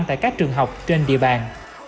tại các trường học trên địa bàn